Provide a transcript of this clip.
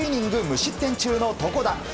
無失点中の床田。